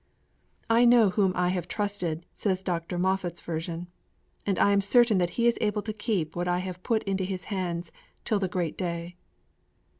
_' 'I know whom I have trusted,' says Dr. Moffatt's version, '_and I am certain that He is able to keep what I have put into His hands till the Great Day.